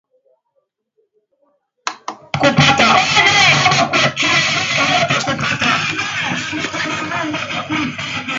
pia lugha ya alama jinsi inavyotumiwa na watu bubu kati ya lugha